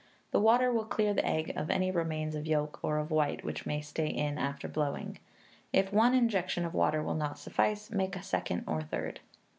The water will clear the egg of any remains of yolk or of white which may stay in after blowing. If one injection of water will not suffice, make a second or third.